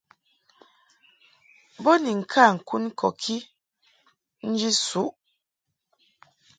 Bo ni ŋka ŋkun kɔki nji suʼ.